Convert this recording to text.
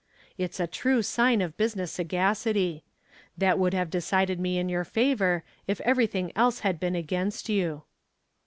It's a true sign of business sagacity. That would have decided me in your favor if everything else had been against you.